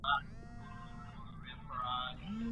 پتنوس بې ګیلاسه نه وي.